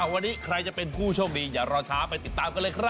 วันนี้ใครจะเป็นผู้โชคดีอย่ารอช้าไปติดตามกันเลยครับ